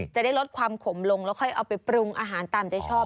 จะได้ลดความขมลงแล้วค่อยเอาไปปรุงอาหารตามใจชอบ